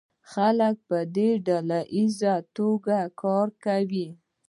خلکو به په ډله ایزه توګه کار کاوه.